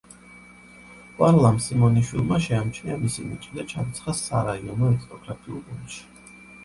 ვარლამ სიმონიშვილმა შეამჩნია მისი ნიჭი და ჩარიცხა სარაიონო ეთნოგრაფიულ გუნდში.